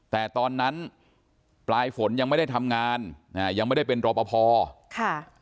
แต่ตอนนั้นปลายฝนยังไม่ได้ทำงานอ่ายังไม่ได้เป็นรอปภค่ะ